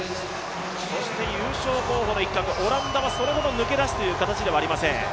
優勝候補の一角、オランダはそれほど抜け出すという形ではありません。